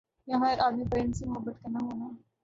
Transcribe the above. یَہاں ہَر آدمی پرند سے محبت کرنا ہونا ۔